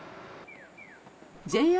ＪＲ